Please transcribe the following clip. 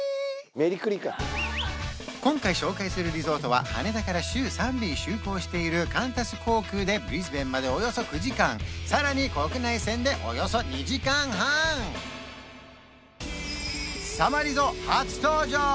メリクリか今回紹介するリゾートは羽田から週３便就航しているカンタス航空でブリスベンまでおよそ９時間さらに国内線でおよそ２時間半「さまリゾ」初登場！